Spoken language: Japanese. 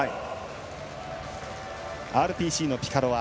ＲＰＣのピカロワ。